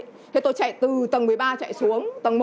thế tôi chạy từ tầng một mươi ba chạy xuống tầng một